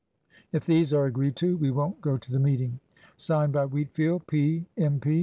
"If these are agreed to, we won't go to the meeting." (Signed by) Wheatfield, P., M.P.